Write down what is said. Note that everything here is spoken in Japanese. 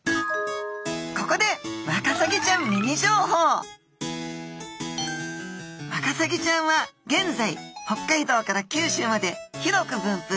ここでワカサギちゃんミニ情報ワカサギちゃんは現在北海道から九州まで広く分布。